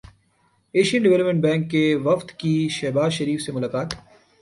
Asian development bank کے وفد کی شہباز شریف سے ملاقات